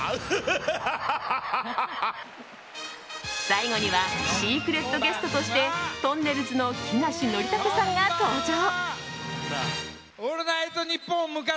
最後にはシークレットゲストとしてとんねるずの木梨憲武さんが登場。